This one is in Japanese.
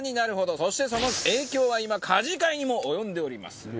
そして、その影響は今、家事界にも及んでおります。